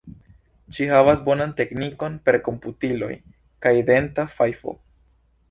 Ŝi havas bonan teknikon per komputiloj kaj denta fajfo.